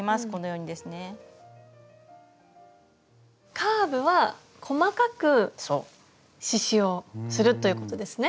カーブは細かく刺しゅうをするということですね。